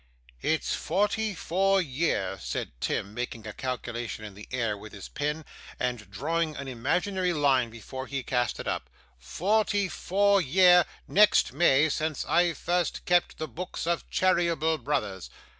'It's forty four year,' said Tim, making a calculation in the air with his pen, and drawing an imaginary line before he cast it up, 'forty four year, next May, since I first kept the books of Cheeryble, Brothers.